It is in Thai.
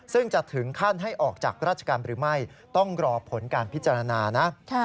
ซึ่งจะถึงขั้นให้ออกจากราชการหรือไม่ต้องรอผลการพิจารณานะ